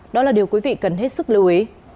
đó là điều quý vị cần hết sức lưu ý